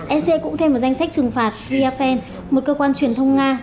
ec cũng thêm vào danh sách trừng phạt vfn một cơ quan truyền thông nga